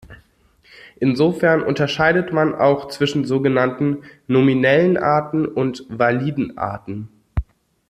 Insofern unterscheidet man auch zwischen sogenannten „nominellen Arten“ und „validen Arten“.